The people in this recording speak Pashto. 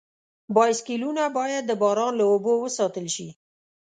بایسکلونه باید د باران له اوبو وساتل شي.